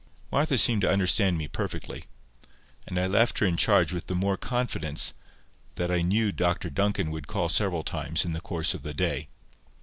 Martha seemed to understand me perfectly; and I left her in charge with the more confidence that I knew Dr Duncan would call several times in the course of the day.